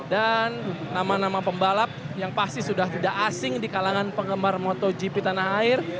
dan nama nama pembalap yang pasti sudah tidak asing di kalangan penggemar motogp tanah air